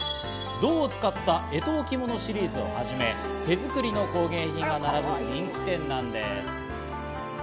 銅を使った干支置物シリーズをはじめ、手作りの工芸品が並ぶ人気店なんです。